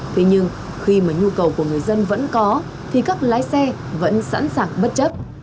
thế nhưng khi mà nhu cầu của người dân vẫn có thì các lái xe vẫn sẵn sàng bất chấp